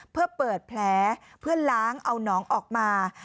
เพื่อเปิดแผลเพื่อล้างเอาน้องออกมา